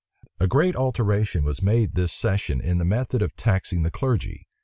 A great alteration was made this session in the method of taxing the clergy.